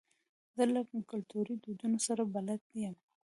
زه له کلتوري دودونو سره بلد یم.